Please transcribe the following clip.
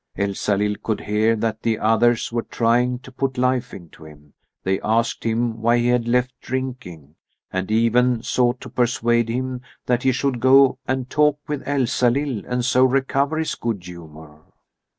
Elsalill could hear that the others were trying to put life into him. They asked him why he had left drinking, and even sought to persuade him that he should go and talk with Elsalill and so recover his good humour.